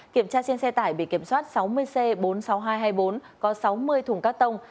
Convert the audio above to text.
kiểm tra trên xe tải bị kiểm soát sáu mươi c bốn mươi sáu nghìn hai trăm hai mươi bốn có sáu mươi thùng cắt tông